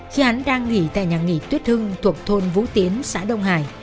khi hắn đang nghỉ tại nhà nghỉ tuyết hưng thuộc thôn vũ tiến xã đông hải